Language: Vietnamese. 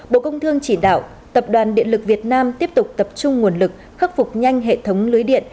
bộ công thương chỉ đạo tập đoàn điện lực việt nam tiếp tục tập trung nguồn lực khắc phục nhanh hệ thống lưới điện